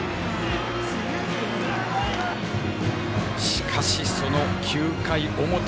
しかし、その９回表。